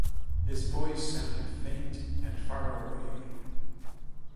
His voice sounded faint and far away.